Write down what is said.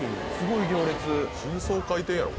新装開店やろ